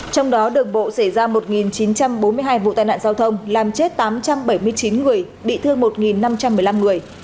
trong đó đường bộ xảy ra một chín trăm bốn mươi hai vụ tai nạn giao thông làm chết tám trăm bảy mươi chín người bị thương một năm trăm một mươi năm người